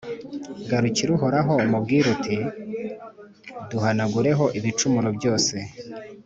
Garukira Uhoraho, umubwire uti«Duhanagureho ibicumuro byose